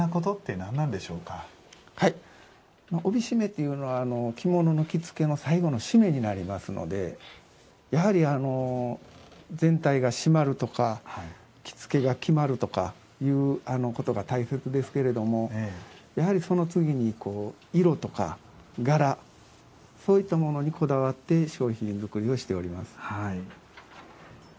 帯締めっていうのは着物の着付けの最後の締めになりますのでやはり全体が締まるとか着付けが決まるとかいうことが大切ですけれどもやはりその次に色とか柄そういったものにこだわって商品作りをしております。